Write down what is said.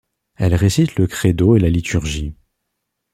Elle récite le Credo et la Liturgie.